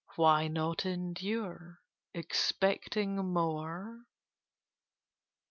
Why not endure, expecting more?"